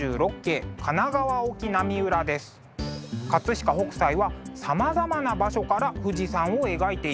飾北斎はさまざまな場所から富士山を描いています。